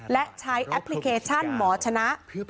และใช้แอปพลิเคชันหมอชนะ